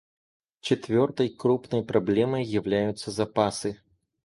Четвертой крупной проблемой являются запасы.